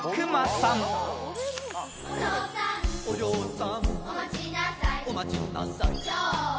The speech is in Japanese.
「おじょうさんおまちなさいちょっと」